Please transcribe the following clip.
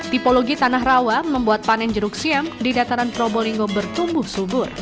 tipologi tanah rawa membuat panen jeruk siam di dataran probolinggo bertumbuh subur